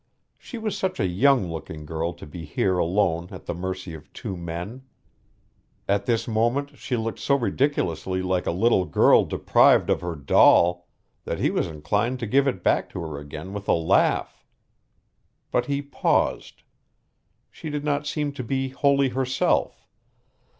She was such a young looking girl to be here alone at the mercy of two men. At this moment she looked so ridiculously like a little girl deprived of her doll that he was inclined to give it back to her again with a laugh. But he paused. She did not seem to be wholly herself.